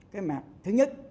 cái mặt thứ nhất